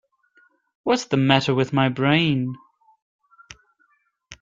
What's the matter with my brain?